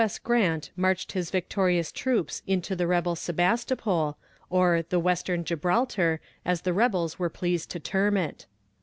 S. Grant marched his victorious troops into the rebel Sebastopol or "the western Gibraltar," as the rebels were pleased to term it.